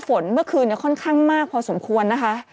เมื่อคืนค่อนข้างมากพอสมควรนะคะ